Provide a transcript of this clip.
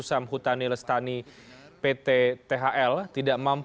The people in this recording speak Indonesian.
walaupun dia auntang di lada starang